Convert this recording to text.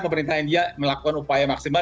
pemerintah india melakukan upaya maksimal